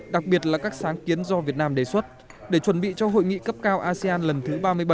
đặc biệt là các sáng kiến do việt nam đề xuất để chuẩn bị cho hội nghị cấp cao asean lần thứ ba mươi bảy